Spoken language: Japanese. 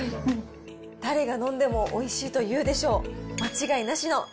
誰が飲んでもおいしいと言うでしょう。